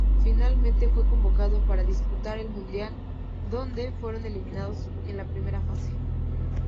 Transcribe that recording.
Finalmente fue convocado para disputar el Mundial, donde fueron eliminados en la primera fase.